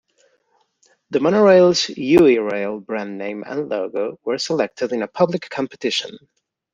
The monorail's "Yui Rail" brand name and logo were selected in a public competition.